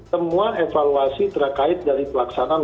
semua evaluasi terkait dari pelaksanaan